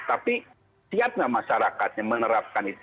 tapi siapnya masyarakatnya menerapkan itu